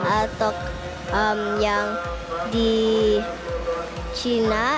atau yang di cina